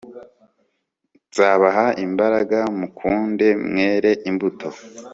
nzabaha imbaraga mukunde mwere imbuto